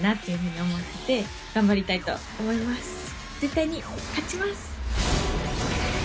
頑張りたいと思います。